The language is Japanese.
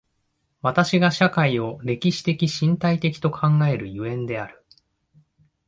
私が社会を歴史的身体的と考える所以である。